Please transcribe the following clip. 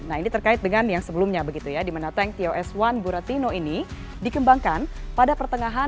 nah ini terkait dengan yang sebelumnya begitu ya di mana tank tos satu buratino ini dikembangkan pada pertengahan seribu sembilan ratus delapan puluh an